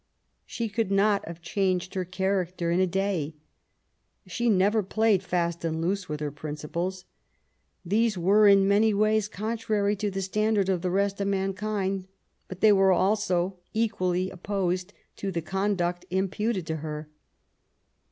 She could not have changed her cha racter in a day. She never played fast and loose with her principles. These were in many ways contrary to the standard of the rest of mankind, but they were also equally opposed to the conduct imputed to her.